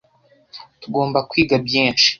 Tugomba kwiga byinshi.